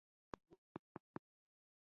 زه د ساده ګامونو غږ خوښوم.